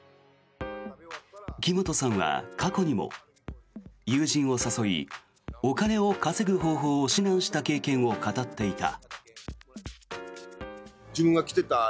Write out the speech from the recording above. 木本さんは過去にも友人を誘いお金を稼ぐ方法を指南した経験を語っていた。